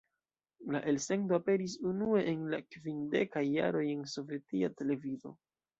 La elsendo aperis unue en la kvindekaj jaroj en sovetia televido.